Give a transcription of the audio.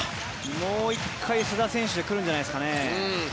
もう１回、須田選手で来るんじゃないですかね。